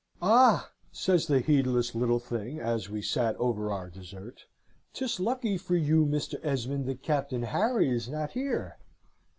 "'Ah!' says the heedless little thing, as we sat over our dessert, ''tis lucky for you, Mr. Esmond, that Captain Harry is not here.'